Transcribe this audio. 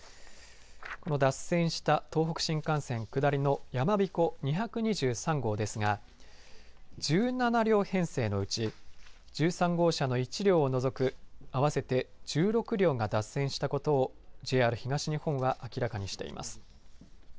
この脱線した東北新幹線下りのやまびこ２２３号ですが１７両編成のうち１３号車の１両を除く合わせて１６両が脱線したことをＪＲ東日本は明らかにしています。